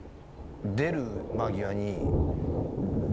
出る間際に。